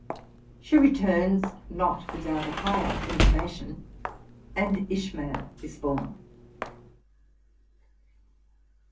She returns, not with out a higher intimation, and Ishmael is born.